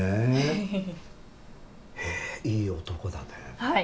ねへいい男だね